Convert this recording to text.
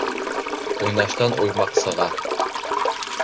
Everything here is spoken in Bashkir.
Уйнаштан уймаҡ сыға.